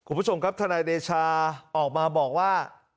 คุณผู้ชมครับทนายเดชาออกมาบอกว่า